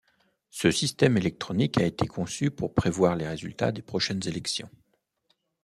Ce système électronique a été conçu pour prévoir les résultats des prochaines élections.